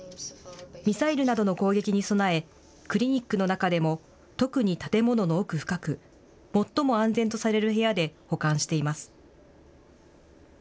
ミサイルなどの攻撃に備え、クリニックの中でも特に建物の奥深く、最も安全とされる部屋で保管しています。